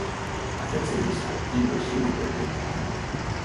Ha fet servir sal i lleixiu per pintar?